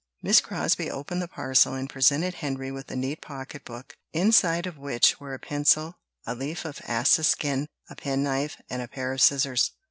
Miss Crosbie opened the parcel and presented Henry with a neat pocket book, inside of which were a pencil, a leaf of ass's skin, a penknife, and a pair of scissors.